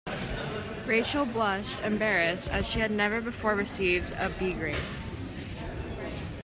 Rachel blushed, embarrassed, as she had never before received a B grade.